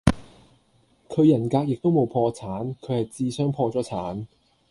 佢人格亦都冇破產，佢系智商破咗產